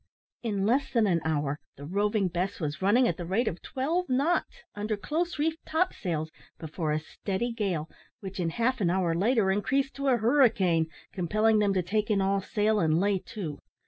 In less than an hour the Roving Bess was running at the rate of twelve knots, under close reefed top sails, before a steady gale, which in half an hour later increased to a hurricane, compelling them to take in all sail and "lay to."